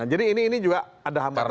jadi ini juga ada hambatan